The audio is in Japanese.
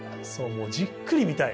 もうじっくり見たい。